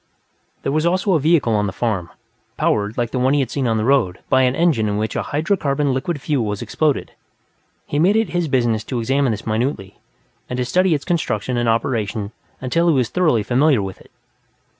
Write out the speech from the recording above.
There was also a vehicle on the farm, powered, like the one he had seen on the road, by an engine in which a hydrocarbon liquid fuel was exploded. He made it his business to examine this minutely, and to study its construction and operation until he was thoroughly familiar with it.